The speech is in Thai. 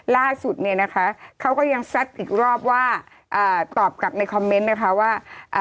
ล่าสุดเนี่ยนะคะเขาก็ยังซัดอีกรอบว่าอ่าตอบกลับในคอมเมนต์นะคะว่า